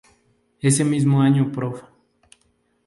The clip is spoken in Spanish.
Ese mismo año Prof.